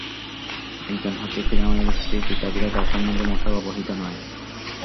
একজন হচ্ছেন ফিরআউনের স্ত্রী, কিতাবীরা তার সম্বন্ধে মোটেও অবহিত নয়।